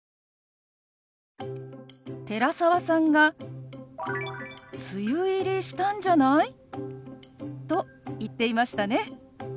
寺澤さんが「梅雨入りしたんじゃない？」と言っていましたね。